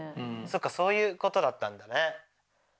そっかそういうことだったんだね。